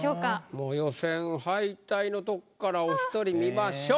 もう予選敗退のとこからお１人見ましょう。